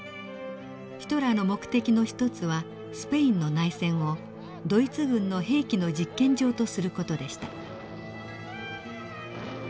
ヒトラーの目的の一つはスペインの内戦をドイツ軍の兵器の実験場とする事でした。